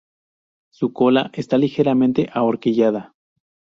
Su cola está ligeramente ahorquillada.